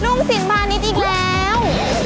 รุ่งสินพานิตอีกแล้ว